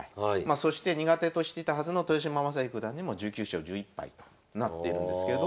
そして苦手としてたはずの豊島将之九段にも１９勝１１敗となっているんですけど